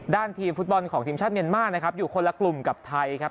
ด้านทีมฟุตบอลของทีมชาติเมียนมานะครับอยู่คนละกลุ่มกับไทยครับ